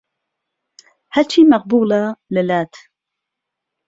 ههچی مهقبوڵه له لات